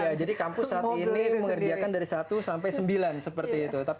ya jadi kampus saat ini mengerjakan dari satu sampai sembilan seperti itu